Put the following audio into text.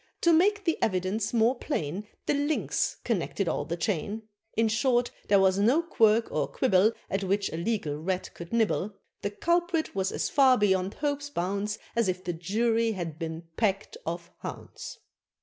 To make the evidence more plain, The Lynx connected all the chain. In short there was no quirk or quibble At which a legal Rat could nibble; The Culprit was as far beyond hope's bounds. As if the Jury had been packed of hounds.